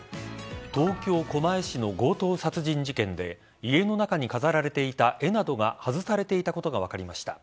東京・狛江市の強盗殺人事件で家の中に飾られていた絵などが外されていたことが分かりました。